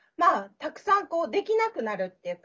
たくさんできなくなるっていうか。